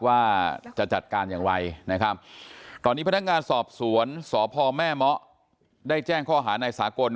ว่าจะจัดการอย่างไรนะครับตอนนี้พนักงานสอบสวนสพแม่เมาะได้แจ้งข้อหานายสากล